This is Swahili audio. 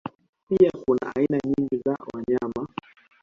Pia kuna aina nyingi za wanyama